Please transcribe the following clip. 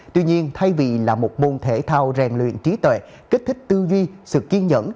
tuy nhiên thay vì là một môn thể thao rèn luyện trí tệ kích thích tư duy sự kiên nhẫn